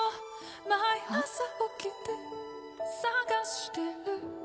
毎朝起きて探してる